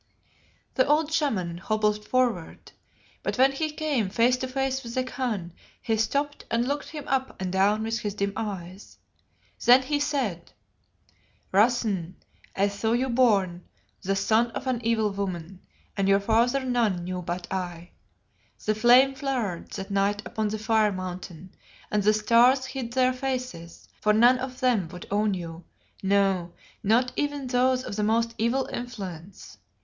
The old Shaman hobbled forward, but when he came face to face with the Khan he stopped and looked him up and down with his dim eyes. Then he said "Rassen, I saw you born, the son of an evil woman, and your father none knew but I. The flame flared that night upon the Fire mountain, and the stars hid their faces, for none of them would own you, no, not even those of the most evil influence.